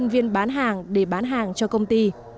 nhân viên bán hàng để bán hàng cho công ty